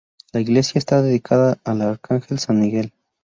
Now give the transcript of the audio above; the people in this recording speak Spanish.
La iglesia está dedicada al Arcángel San Miguel.